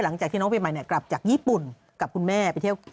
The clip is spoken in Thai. หลังจากที่น้องปีใหม่กลับจากญี่ปุ่นกับคุณแม่ไปเที่ยว